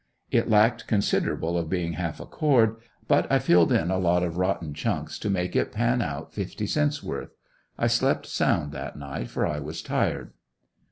It lacked considerable of being half a cord, but I filled in a lot of rotten chunks to make it pan out fifty cents worth. I slept sound that night for I was tired.